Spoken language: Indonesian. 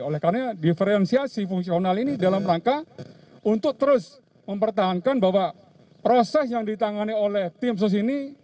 oleh karena diferensiasi fungsional ini dalam rangka untuk terus mempertahankan bahwa proses yang ditangani oleh tim sus ini